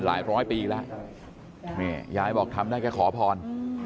หลายพร้อยปีแล้วยายบอกทำได้แค่ขอพร